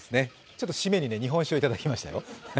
ちょっと締めに日本酒をいただきましたよ。